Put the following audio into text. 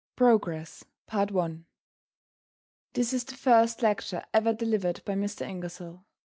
PROGRESS. * This is the first lecture ever delivered by Mr. Ingersoll.